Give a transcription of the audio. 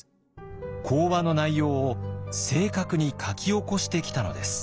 講話の内容を正確に書き起こしてきたのです。